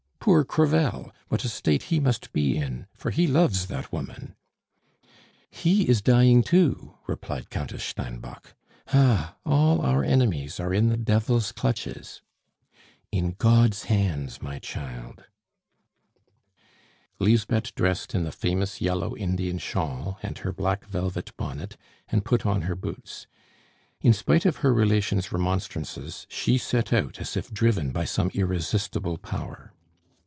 Poor Crevel! what a state he must be in; for he loves that woman." "He is dying too," replied Countess Steinbock. "Ah! all our enemies are in the devil's clutches " "In God's hands, my child " Lisbeth dressed in the famous yellow Indian shawl and her black velvet bonnet, and put on her boots; in spite of her relations' remonstrances, she set out as if driven by some irresistible power.